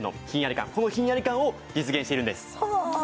このひんやり感を実現しているんです。